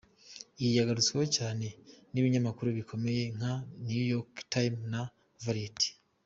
Iyi yagarutsweho cyane n’ibinyamakuru bikomeye nka the NewYork Times na Variety.